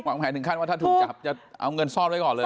หมายถึงขั้นว่าถ้าถูกจับจะเอาเงินซ่อนไว้ก่อนเลย